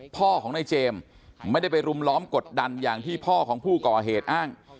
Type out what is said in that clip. พ่อของนายเจมส์ไม่ได้ไปรุมล้อมกดดันอย่างที่พ่อของผู้ก่อเหตุอ้าง